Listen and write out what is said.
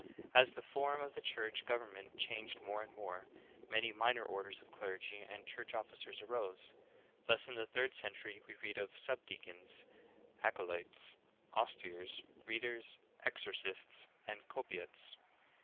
As the form of church government changed more and more, many minor orders of clergy or church officers arose ; thus in the third cen tury we read of sub deacons, acolytes, ostiars, readers, exorcists, and copiates.